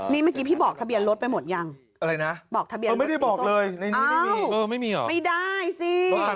นี่เมื่อกี้พี่บอกทะเบียนลดไปหมดยังอะไรนะไม่ได้บอกเลยไม่มีหรอไม่ได้สิ